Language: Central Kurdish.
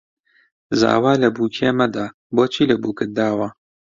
زاوا لە بووکێ مەدە بۆچی لە بووکت داوە